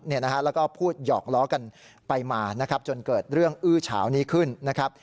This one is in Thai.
แล้วก็พูดหยอกล้อกันไปมานะครับจนเกิดเรื่องอื้อเฉานี้ขึ้นนะครับ